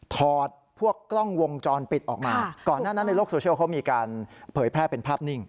ถอดพวกกล้องวงจรปิดออกมาก่อนหน้านั้นในโลกโซเชียลเขามีการเผยแพร่เป็นภาพนิ่ง